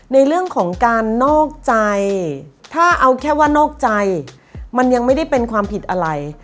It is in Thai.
ในเรื่องของการนอกใจถ้าเอาแค่ว่านอกใจมันยังไม่ได้เป็นความผิดอะไร